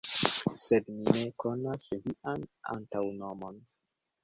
Sed mi ne konas vian antaŭnomon.